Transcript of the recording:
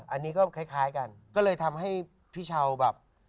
อันนี้ก็คล้ายกันก็เลยทำให้พี่เช้าแบบ